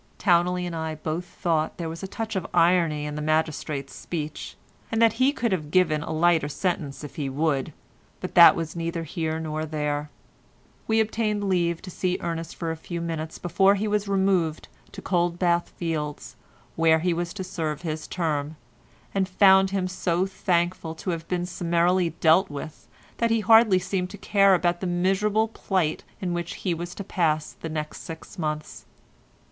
Towneley and I both thought there was a touch of irony in the magistrate's speech, and that he could have given a lighter sentence if he would, but that was neither here nor there. We obtained leave to see Ernest for a few minutes before he was removed to Coldbath Fields, where he was to serve his term, and found him so thankful to have been summarily dealt with that he hardly seemed to care about the miserable plight in which he was to pass the next six months.